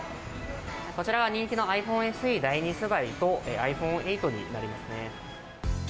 こちらが日本のｉＰｈｏｎｅＳＥ第二世代と、ｉＰｈｏｎｅ８になりますね。